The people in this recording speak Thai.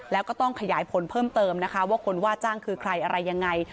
แล้วก็ต้องขยายผลเพิ่มเติมนะคะว่าคนว่าจ้างคือใครอะไรยังไง